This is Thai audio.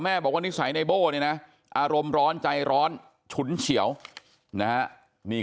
บอกว่านิสัยในโบ้เนี่ยนะอารมณ์ร้อนใจร้อนฉุนเฉียวนะฮะนี่